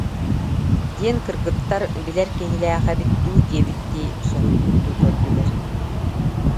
диэн кыргыттар билэр киһилээх эбит дуу диэбиттии соһуйбуттуу көрдүлэр